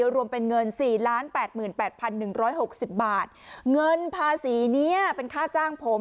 ก็รวมเป็นเงินสี่ล้านแปดหมื่นแปดพันหนึ่งร้อยหกสิบบาทเงินภาษีเนี้ยเป็นค่าจ้างผม